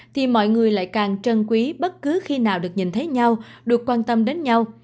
thì mọi người lại càng trân quý bất cứ khi nào được nhìn thấy nhau được quan tâm đến nhau